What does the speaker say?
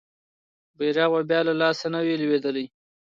بیرغ به بیا له لاسه نه وي لویدلی.